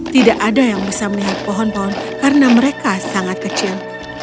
tidak ada yang bisa melihat pohon pohon karena mereka sangat kecil